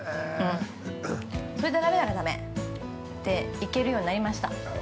それでだめならだめって行けるようになりました。